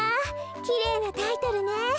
きれいなタイトルね。